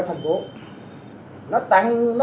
trong thành phố